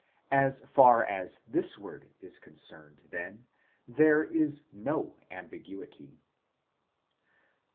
As far as this word is concerned, then, there is no ambiguity.